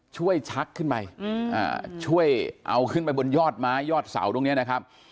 ชักขึ้นไปช่วยเอาขึ้นไปบนยอดไม้ยอดเสาตรงนี้นะครับ